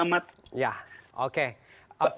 program untuk menyelamat